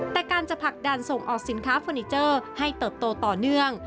แต่การจะผลักดันส่งออกสินค้าเฟอร์นิเจอร์ให้เติบโตต่อเนื่อง